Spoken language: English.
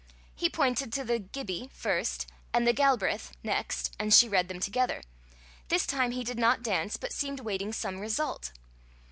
He pointed to the giby first, and the galbreath next, and she read them together. This time he did not dance, but seemed waiting some result.